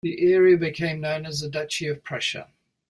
The area became known as the Duchy of Prussia.